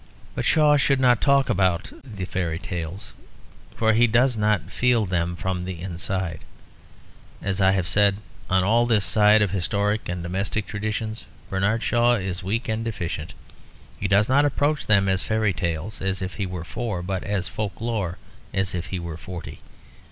But Shaw should not talk about the fairy tales; for he does not feel them from the inside. As I have said, on all this side of historic and domestic traditions Bernard Shaw is weak and deficient. He does not approach them as fairy tales, as if he were four, but as "folk lore" as if he were forty.